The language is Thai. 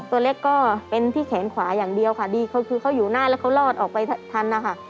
ตัวเล็กก็เป็นที่แขนขวาอย่างเดียวค่ะดีเขาคือเขาอยู่หน้าแล้วเขารอดออกไปทันนะคะ